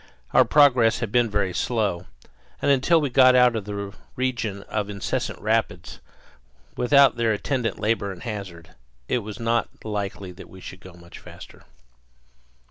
Our progress had been very slow; and until we got out of the region of incessant rapids, with their attendant labor and hazard, it was not likely that we should go much faster.